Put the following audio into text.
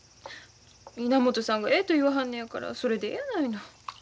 稲本さんがええと言わはんのやからそれでええやないの。